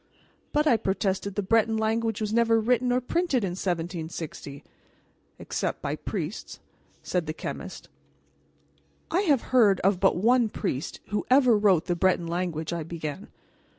"But," I protested, "the Breton language was never written or printed in 1760." "Except by priests," said the chemist. "I have heard of but one priest who ever wrote the Breton language," I began.